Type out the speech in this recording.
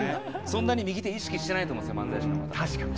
そんなに右手意識してないと思うんですよ